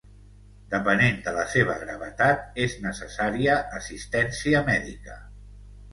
Depenent de la seva gravetat, és necessària assistència mèdica.